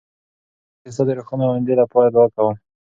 زه په لندن کې ستا د روښانه ایندې لپاره دعا کوم.